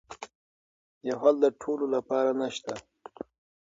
یو حل د ټولو لپاره نه شته.